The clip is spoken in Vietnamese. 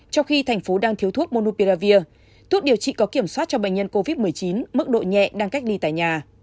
trong khi thành phố đang thiếu thuốc monupiravir thuốc điều trị có kiểm soát cho bệnh nhân covid một mươi chín mức độ nhẹ đang cách ly tại nhà